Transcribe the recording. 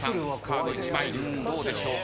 どうでしょうか？